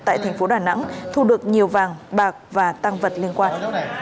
tại thành phố đà nẵng thu được nhiều vàng bạc và tăng vật liên quan